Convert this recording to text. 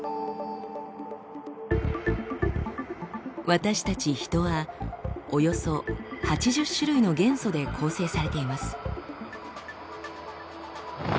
私たちヒトはおよそ８０種類の元素で構成されています。